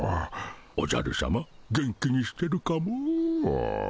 おじゃるさま元気にしてるかモ。